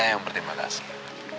saya yang berterima kasih